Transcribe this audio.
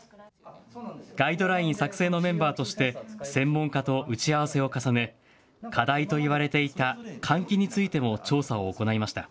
ガイドライン作成のメンバーとして専門家と打ち合わせを重ね課題といわれていた換気についても調査を行いました。